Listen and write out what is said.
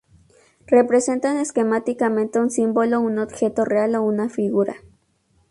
Representan esquemáticamente un símbolo, un objeto real o una figura.